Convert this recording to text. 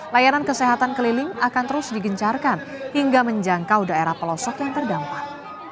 layanan kesehatan keliling akan terus digencarkan hingga menjangkau daerah pelosok yang terdampak